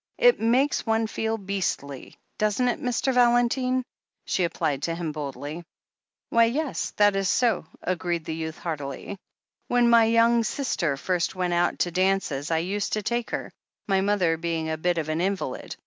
It makes one feel beastly. Doesn't it, Mr. Valentine?" she applied to him boldly. "Why, yes — ^that is so," agreed the youth heartily. "When my young sister first went out to dances I used to take her, my mother being a bit of an invalid.